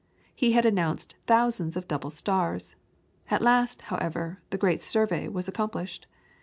He had announced thousands of double stars. At last, however, the great survey was accomplished.